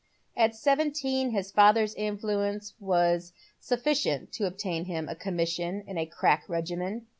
At seventeen his father's influence was sufficient to obtain him a commission in a crack regiment.